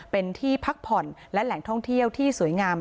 เป็นที่พักผ่อนและแหล่งท่องเที่ยวที่สวยงาม